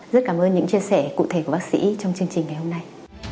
rất cảm ơn những chia sẻ cụ thể của bác sĩ trong chương trình ngày hôm nay